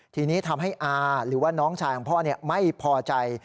ทีนี้ทำให้อาหรือว่าน้องชายของพ่อไม่พอใจ